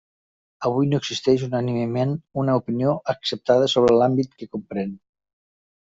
Avui no existeix unànimement una opinió acceptada sobre l'àmbit que comprèn.